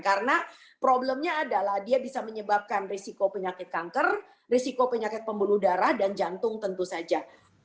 karena problemnya adalah dia bisa menyebabkan risiko penyakit kanker risiko penyakit pembuluh darah dan jantung tentu saja